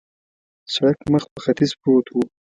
سړک مخ پر ختیځ پروت و.